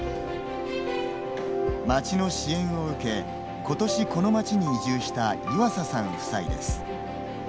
町の支援を受けことし、この町に移住した岩佐さん夫妻です。